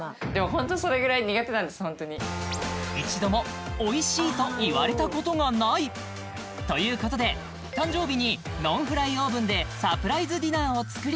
ホントに一度も「おいしい」と言われたことがないということで誕生日にノンフライオーブンでサプライズディナーを作り